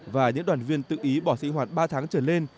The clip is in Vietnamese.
và những đoàn viên tự ý bỏ sinh hoạt ba tháng trở lên